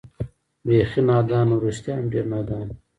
بېخي نادان و، رښتیا هم ډېر نادان و.